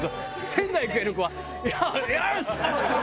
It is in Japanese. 仙台育英の子は「あざーっす！」。